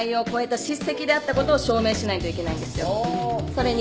それに。